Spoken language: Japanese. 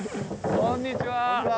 こんにちは。